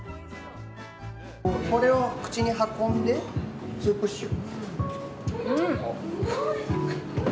これを口に運んで２プッシュ。